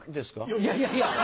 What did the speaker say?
いやいやいや。